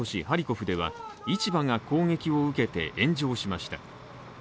ハリコフでは市場が攻撃を受けて炎上しました。